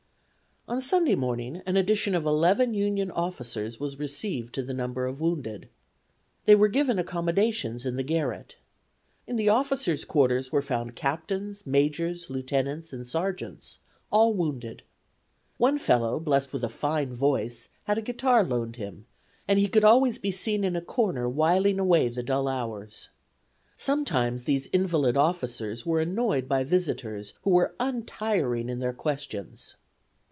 On Sunday morning an addition of eleven Union officers was received to the number of wounded. They were given accommodations in the garret. In the officers' quarters were found captains, majors, lieutenants and sergeants, all wounded. One fellow blessed with a fine voice had a guitar loaned him, and he could always be seen in a corner whiling away the dull hours. Sometimes these invalid officers were annoyed by visitors who were untiring in their questions.